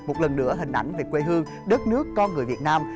một lần nữa hình ảnh về quê hương đất nước con người việt nam